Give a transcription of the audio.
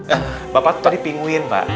eh bapak tadi pinguin pak